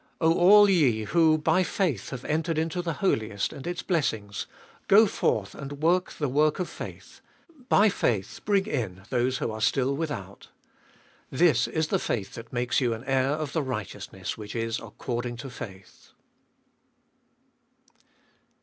Oh all ye who, by faith, have entered into the Holiest and its blessings, go forth and work the work of faith ; by faith bring in those who are still without. This is the faith that makes you an heir of the righteousness which is according to faith.